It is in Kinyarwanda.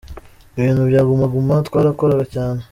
Ibintu bya Guma Guma twarakoraga cyane.